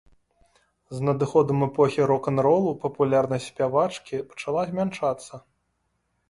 З надыходам эпохі рок-н-ролу папулярнасць спявачкі пачала змяншацца.